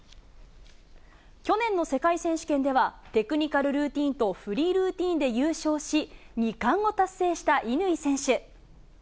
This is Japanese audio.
去年の世界選手権では、テクニカルルーティンとフリールーティンで優勝し、２冠を達成した乾選手。